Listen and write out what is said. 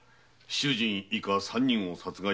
主人以下三人を殺害。